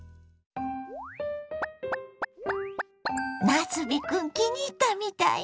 なすびクン気に入ったみたいね。